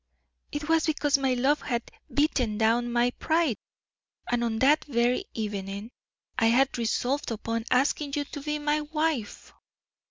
It was because my love had beaten down my pride, and on that very evening I had resolved upon asking you to be my wife."